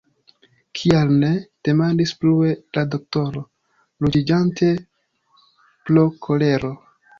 Kial ne? demandis plue la doktoro, ruĝiĝante pro kolero.